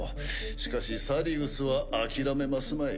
しかしサリウスは諦めますまい。